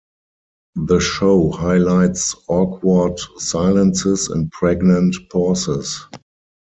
The show highlights awkward silences and pregnant pauses.